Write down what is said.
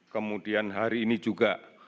kemudian hari ini juga